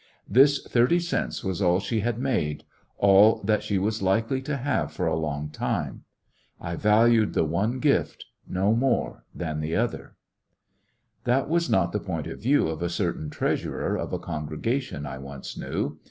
This thirty cents was all she had made, all that she was likely to have for a long time. I valued the one gift no more than the other. No money in That was not the point of view of a certain tionci^f' treasurer of a congregation I once knew.